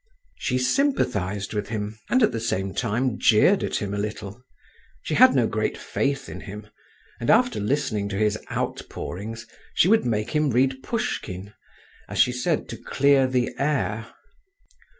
She sympathised with him, and at the same time jeered at him a little; she had no great faith in him, and after listening to his outpourings, she would make him read Pushkin, as she said, to clear the air.